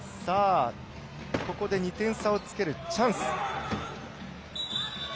ここで２点差をつけるチャンス。